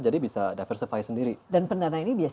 jadi bisa diversify sendiri dan pendana ini